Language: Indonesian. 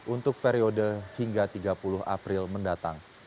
untuk periode hingga tiga puluh april mendatang